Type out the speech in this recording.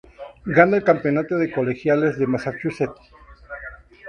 Gana el campeonato de Colegiales de Massachusetts.